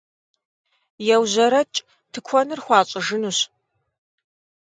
Еужьэрэкӏ, тыкуэныр хуащӏыжынущ!